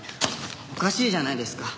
おかしいじゃないですか。